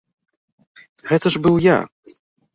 Гэта ж быў я!